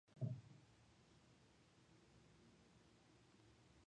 Jay is outraged and ashamed, and forbids Mina from ever seeing Demetrius again.